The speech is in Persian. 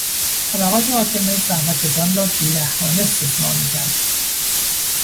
طبقات حاکمه زحمتکشان را بی رحمانه استثمار میکردند.